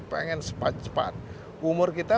pengen cepat cepat umur kita